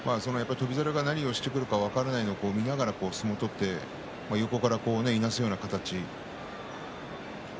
翔猿が何をしてくるか分からないように相撲を取って右からいなすような形。